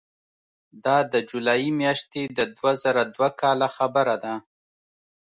دا د جولای میاشتې د دوه زره دوه کاله خبره ده.